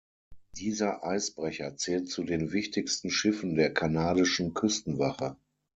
Dieser Eisbrecher zählt zu den wichtigsten Schiffen der kanadischen Küstenwache.